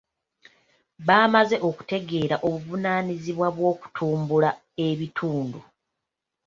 Bamaze okutegeera obuvunanyizibwa bw'okutumbula ebitundu.